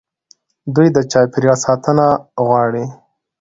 دوی د چاپیریال ساتنه غواړي.